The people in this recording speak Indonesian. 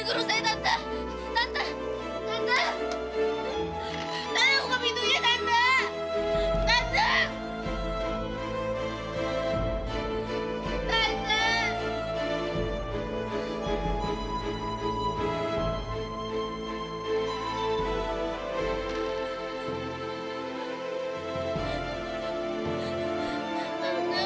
orang suami gak mungkin